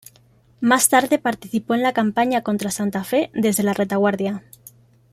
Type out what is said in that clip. Más tarde participó en la campaña contra Santa Fe desde la retaguardia.